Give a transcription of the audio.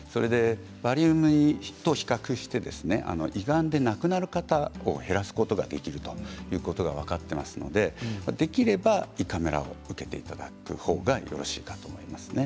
バリウムと比較して胃がんで亡くなる方を減らすことができるということが分かっていますのでできれば胃カメラを受けていただくほうがよろしいかと思いますね。